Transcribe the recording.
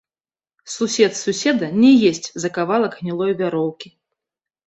Сусед суседа не есць за кавалак гнілой вяроўкі.